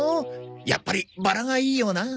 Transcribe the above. やっぱりバラがいいよなあ。